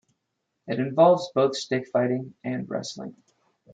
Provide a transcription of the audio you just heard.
It involves both stick fighting and wrestling.